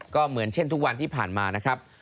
ก็เหมือนเช่นทุกวันที่ผ่านมานะครับ